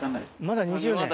まだ２０年？